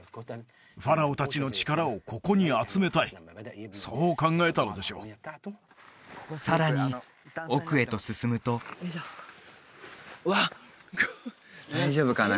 ファラオ達の力をここに集めたいそう考えたのでしょうさらに奥へと進むとわっ大丈夫かな？